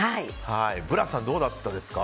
ブラスさん、どうだったですか？